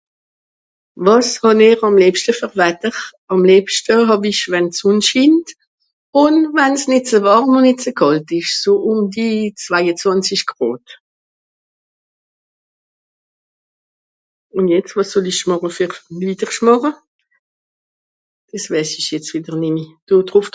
Wàs hàn ìhr àm liebschte fer Watter? Àm liebschte hàw-ìch wann d'Sùnn schint un wann's nìt zu wàrm un nìt zu kàlt ìsch, so um die zwei-e-zwànzisch Gràd. Un jetz wàs soll màche fer wiedersch màche? Dìs weis ìch wieder nemmi. Do drùf